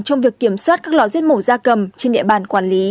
trong việc kiểm soát các lò giết mổ da cầm trên địa bàn quản lý